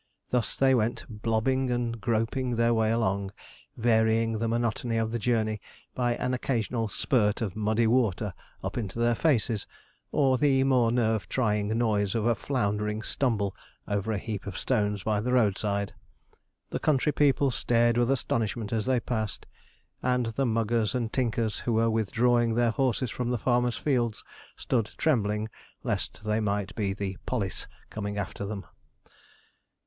Thus they went blobbing and groping their way along, varying the monotony of the journey by an occasional spurt of muddy water up into their faces, or the more nerve trying noise of a floundering stumble over a heap of stones by the roadside. The country people stared with astonishment as they passed, and the muggers and tinkers, who were withdrawing their horses from the farmers' fields, stood trembling, lest they might be the 'pollis' coming after them.